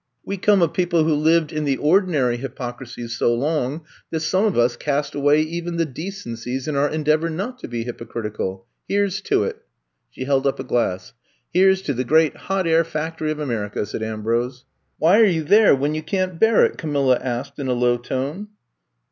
We come of people who lived in the ordinary hypocrisies so long that some of us cast away even the decencies in our en deavor not to be hypocritical. Here 's to it. '' She held up a glass. Here 's to the great hot air factory of America,'^ said Ambrose. I'VE GOME TO STAY 25 Why are you there when you can't bear itf Camilla asked in a low tone.